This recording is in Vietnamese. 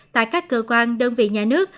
tại các cơ quan đơn vị nhà nước